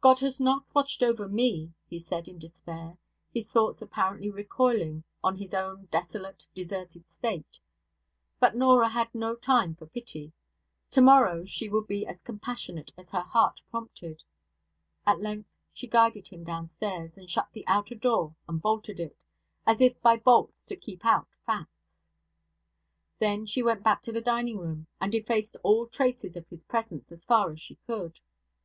'God has not watched over me,' he said, in despair; his thoughts apparently recoiling on his own desolate, deserted state. But Norah had no time for pity. Tomorrow she would be as compassionate as her heart prompted. At length she guided him downstairs, and shut the outer door, and bolted it as if by bolts to keep out facts. Then she went back into the dining room, and effaced all traces of his presence, as far as she could.